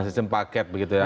sistem paket begitu ya